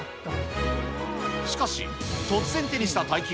しかし、突然手にした大金。